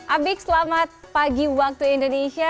abik selamat pagi waktu indonesia